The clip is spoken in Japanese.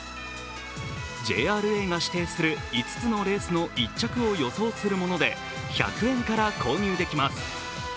ＪＲＡが指定する５つのレースの１着を予想するもので１００円から購入できます。